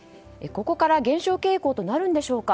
ここから減少傾向となるんでしょうか。